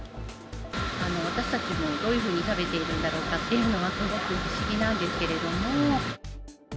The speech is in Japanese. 私たちもどういうふうに食べているんだろうかっていうのは、すごく不思議なんですけれども。